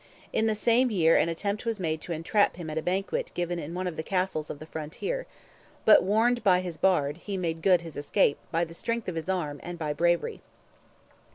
In the same year an attempt was made to entrap him at a banquet given in one of the castles of the frontier, but warned by his bard, he made good his escape "by the strength of his arm, and by bravery."